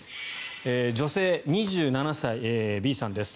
女性、２７歳、Ｂさんです。